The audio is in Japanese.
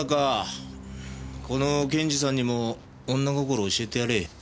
この検事さんにも女心を教えてやれ。